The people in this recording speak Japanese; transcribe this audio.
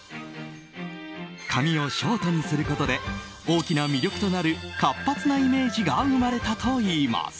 髪をショートにすることで大きな魅力となる活発なイメージが生まれたといいます。